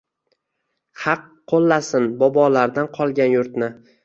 Haq qoʻllasin, bobolardan qolgan yurtni...